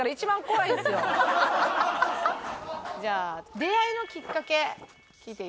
じゃあ出会いのきっかけ聞いていいですか？